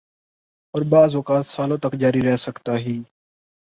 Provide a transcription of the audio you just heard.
اوربعض اوقات سالوں تک جاری رہ سکتا ہی۔